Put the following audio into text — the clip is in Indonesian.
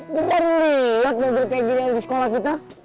gue baru lihat mobil kayak gini aja di sekolah kita